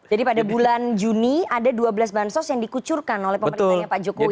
pada bulan juni ada dua belas bansos yang dikucurkan oleh pemerintahnya pak jokowi